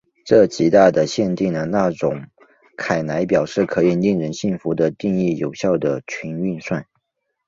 这极大的限定了那种凯莱表可以令人信服的定义有效的群运算。